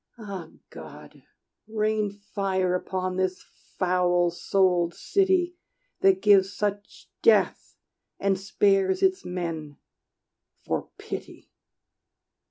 Ah God! rain fire upon this foul souled city That gives such death, and spares its men, for pity!